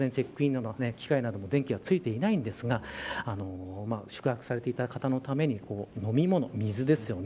当然チェックインの機械なども電気がついていないんですが宿泊されていた方のために飲み物、水ですよね。